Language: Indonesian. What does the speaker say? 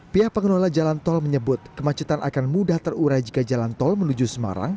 pihak pengelola jalan tol menyebut kemacetan akan mudah terurai jika jalan tol menuju semarang